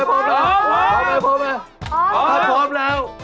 พร้อมพร้อมแล้ว